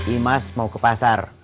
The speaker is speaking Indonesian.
imas mau ke pasar